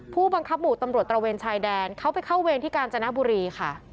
ผู้บังคับหมู่ตำรวจตระเวนชายแดนเขาไปเข้าเวรที่กาญจนบุรีค่ะ